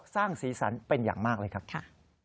สร้างสีสันเป็นอย่างมากเลยครับค่ะ